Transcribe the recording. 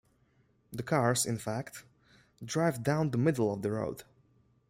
The cars, in fact, drive down the middle of the road.